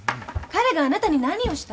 彼があなたに何をした？